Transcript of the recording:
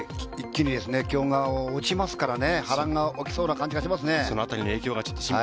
一気に気温が落ちますから波乱が起きそうな感じがしますね。